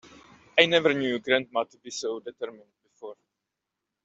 I never knew grandma to be so determined before.